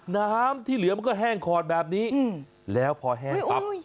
น้ำที่เหลือมันก็แห้งขอดแบบนี้แล้วพอแห้งปั๊บ